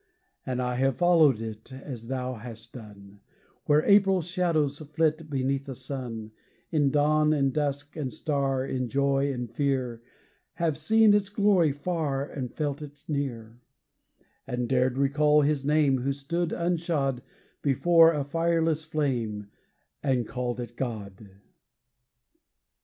And I have followed it, As thou hast done, Where April shadows flit Beneath the sun; In dawn and dusk and star, In joy and fear, Have seen its glory far And felt it near, And dared recall his name Who stood unshod Before a fireless flame, And called it God.